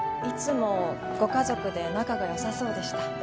いつもご家族で仲が良さそうでした。